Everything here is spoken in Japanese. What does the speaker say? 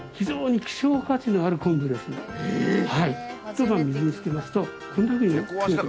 ひと晩水につけますとこんなふうに増えて。